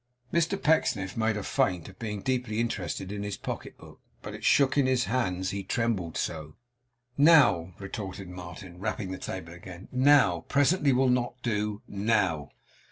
Mr Pecksniff made a feint of being deeply interested in his pocketbook, but it shook in his hands; he trembled so. 'Now,' retorted Martin, rapping the table again. 'Now. Presently will not do. Now!